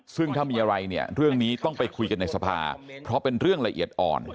ซึ่งถ้ามีอะไรเนี่ยเรื่องนี้ต้องไปคุยกันในสภาเพราะเป็นเรื่องละเอียดอ่อน